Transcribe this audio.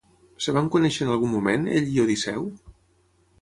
Es van conèixer en algun moment ell i Odisseu?